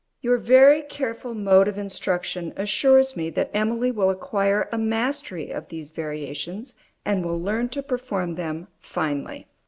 Your very careful mode of instruction assures me that Emily will acquire a mastery of these variations, and will learn to perform them finely.